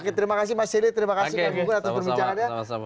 oke terima kasih mas celi terima kasih kang bungun atas perbincangannya